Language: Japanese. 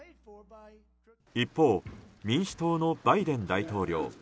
一方、民主党のバイデン大統領。